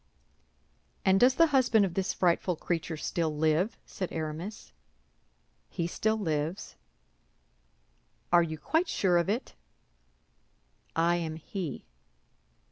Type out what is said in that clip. "And does the husband of this frightful creature still live?" said Aramis. "He still lives." "Are you quite sure of it?" "I am he."